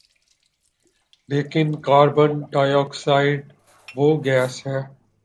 لیکن carbon dioxide وہ gas ہے